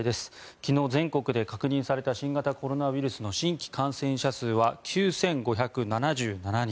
昨日、全国で確認された新型コロナウイルスの新規感染者数は９５７７人。